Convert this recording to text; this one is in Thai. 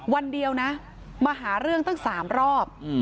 วันเดียวนะมาหาเรื่องตั้ง๓รอบ